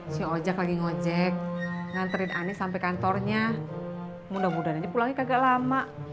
si ojek lagi ngojek nganterin anies sampai kantornya mudah mudahan ini pulangnya kagak lama